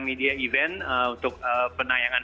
media event untuk penayangan